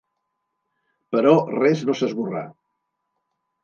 Però res no s'esborrà.